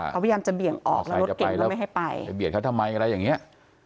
เขาพยายามจะเบี่ยงออกแล้วรถเก่งก็ไม่ให้ไปไปเบียดเขาทำไมอะไรอย่างนี้